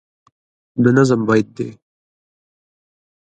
د نظم بیت دی